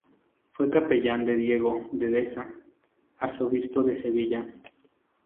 Fue capellán de Diego de Deza, arzobispo de Sevilla.